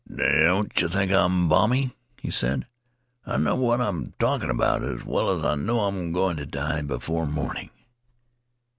* Don't you think I'm balmy,' he said. 'I know what I'm talking about as well as I know I'm going to die before morn ing.'